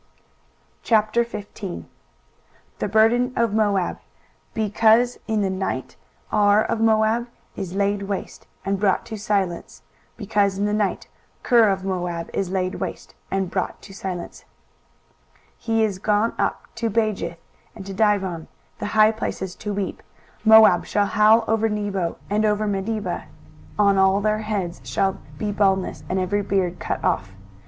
23:015:001 The burden of Moab. Because in the night Ar of Moab is laid waste, and brought to silence; because in the night Kir of Moab is laid waste, and brought to silence; 23:015:002 He is gone up to Bajith, and to Dibon, the high places, to weep: Moab shall howl over Nebo, and over Medeba: on all their heads shall be baldness, and every beard cut off.